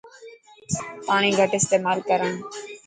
پاڻي گهٽ استيمال ڪرن.